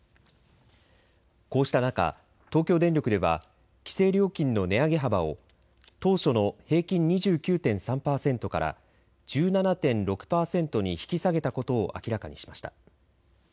こうした中、東京電力では規制料金の値上げ幅を当初の平均２９．３％から１７．６％に引き下げたことを明らかにしました。